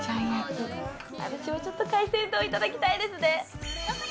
私も、ちょっと海鮮丼いただきたいですね。